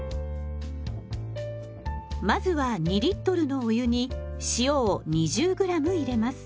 まずは２のお湯に塩を２０ｇ入れます。